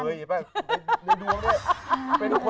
มักเชยในดวงด้วย